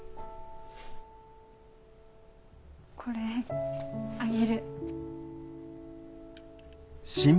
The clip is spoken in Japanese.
これあげる。